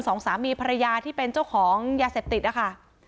สองสามีภรรยาที่เป็นเจ้าของยาเสพติดนะคะ